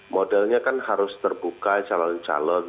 modelnya kan harus terbuka calon calon